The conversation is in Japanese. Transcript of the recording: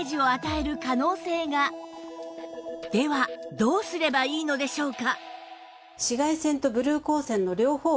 どうすればいいのでしょうか？